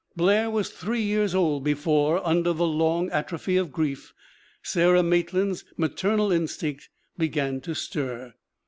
"Blair was three years old before, under the long atrophy of grief, Sarah Maitland's maternal instinct began to stir.